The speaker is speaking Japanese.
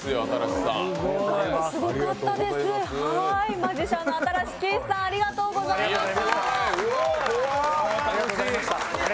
マジシャンの新子景視さんありがとうございました。